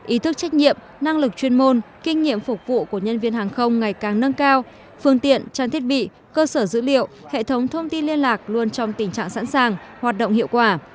ý thức trách nhiệm năng lực chuyên môn kinh nghiệm phục vụ của nhân viên hàng không ngày càng nâng cao phương tiện trang thiết bị cơ sở dữ liệu hệ thống thông tin liên lạc luôn trong tình trạng sẵn sàng hoạt động hiệu quả